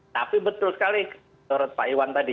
tapi betul sekali menurut pak iwan tadi